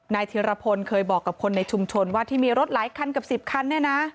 เทียรพลเคยบอกกับคนในชุมชนว่าที่มีรถหลายคันเกือบ๑๐คันเนี่ยนะ